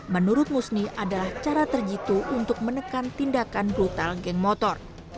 menurut musni adalah cara terjitu untuk menekan tindakan brutal geng motor